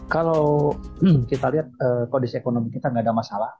kalau kita lihat kondisi ekonomi kita tidak ada masalah